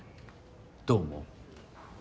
どう思う？